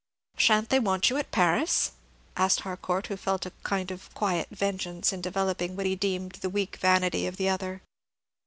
"Sha' n't they want you at Paris?" asked Harcourt, who felt a kind of quiet vengeance in developing what he deemed the weak vanity of the other.